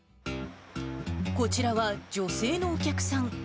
こちらは、女性のお客さん。